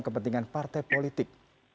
kepentingan partai politik